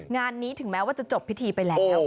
งานนี้ถึงแม้ว่าจะจบพิธีไปแล้ว